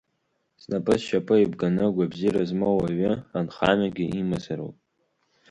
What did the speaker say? Знапы-зшьапы еибганы агәабзиара змоу ауаҩы анхамҩагьы имазароуп.